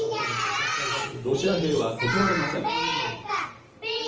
ロシア兵は断れません。